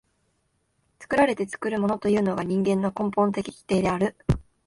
作られて作るものというのが人間の根本的規定である。